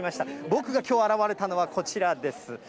僕がきょう現れたのは、こちらです。